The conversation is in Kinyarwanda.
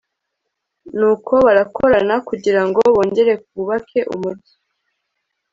nuko barakorana kugira ngo bongere bubake umugi